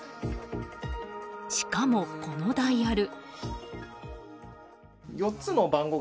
しかも、このダイヤル。